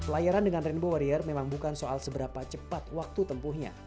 pelayaran dengan rainbow warrior memang bukan soal seberapa cepat waktu tempuhnya